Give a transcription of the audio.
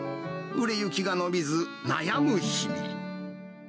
売れ行きが伸びず、悩む日々。